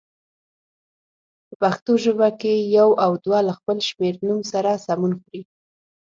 په پښتو ژبه کې یو او دوه له خپل شمېرنوم سره سمون خوري.